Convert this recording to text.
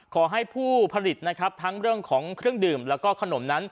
ขอให้ผู้ผลิตนะครับทั้งเรื่องของเครื่องดื่มแล้วก็ขนมนั้น